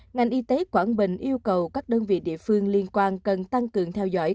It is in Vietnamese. ngành y tế quảng bình yêu cầu các đơn vị địa phương liên quan cần tăng cường theo dõi